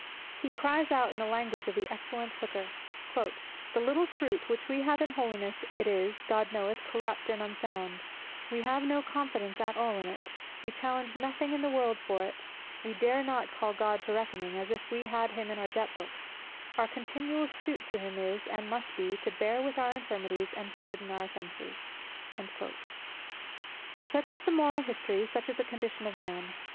He cries out in the language of the excellent Hooker, "The little fruit which we have in holiness, it is, God knoweth, corrupt and unsound: we put no confidence at all in it, we challenge nothing in the world for it, we dare not call God to reckoning, as if we had him in our debt books; our continual suit to him is, and must be, to bear with our infirmities, and pardon our offences." Such is the moral history, such the condition of man.